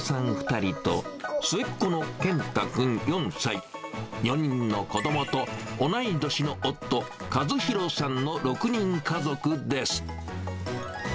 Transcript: ２人と、末っ子の健汰くん４歳、４人の子どもと、同い年の夫、和弘さんの６人家族です。